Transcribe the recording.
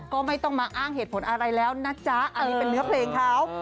ก็ไม่ต้องมาอ้างเหตุผลอะไรแล้วนะจ๊ะอันนี้เป็นเนื้อเพลงเขา